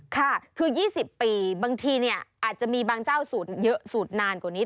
ค่ะคือ๒๐ปีบางทีเนี่ยอาจจะมีบางเจ้าสูตรเยอะสูตรนานกว่านี้